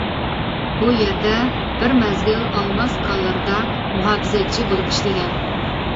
بۇ يەردە بىر مەزگىل ئالماس كانلىرىدا مۇھاپىزەتچى بولۇپ ئىشلىگەن.